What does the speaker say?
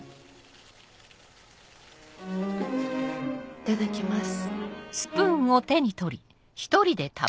いただきます。